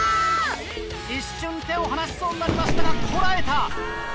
一瞬手を離しそうになりましたがこらえた。